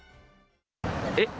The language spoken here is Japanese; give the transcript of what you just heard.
えっ？